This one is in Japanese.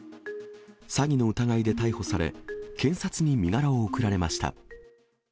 詐欺の疑いで逮捕され、検察に身柄を送られました。